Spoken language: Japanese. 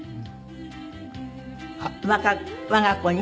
我が子に？